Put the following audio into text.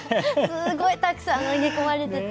すごいたくさん投げ込まれてて。